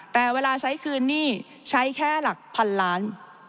แต่เวลาใช้คืนหนี้ใช้แค่หลักพันล้าน